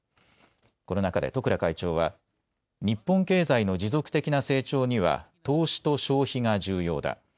この中で十倉会長は日本経済の持続的な成長には投資と消費が重要だ。